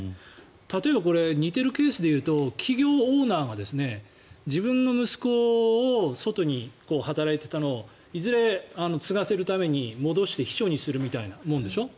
例えばこれ似ているケースで言うと企業オーナーが自分の息子を外に働いていたのをいずれ、継がせるために戻して秘書にするみたいなもんでしょ？